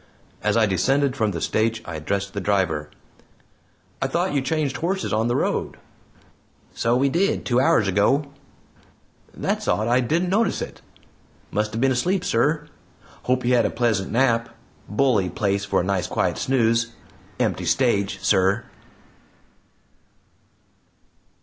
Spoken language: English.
As I descended from the stage I addressed the driver: "I thought you changed horses on the road?" "So we did. Two hours ago." "That's odd. I didn't notice it." "Must have been asleep, sir. Hope you had a pleasant nap. Bully place for a nice quiet snooze empty stage, sir!"